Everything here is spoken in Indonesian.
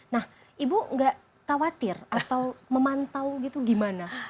nah ibu nggak khawatir atau memantau gitu gimana